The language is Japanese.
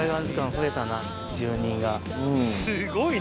すごいな。